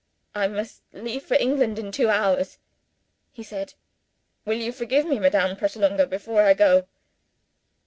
"I must leave for England in two hours," he said. "Will you forgive me, Madame Pratolungo, before I go?"